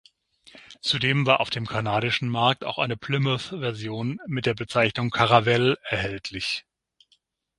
Zudem war auf dem kanadischen Markt auch eine Plymouth-Version mit der Bezeichnung Caravelle erhältlich.